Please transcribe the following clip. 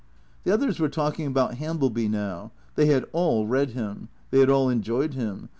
The others were talking about Hambleby now. They had all read him. They had all enjoyed him.